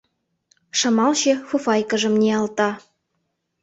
— Шымалче фуфайкыжым ниялта.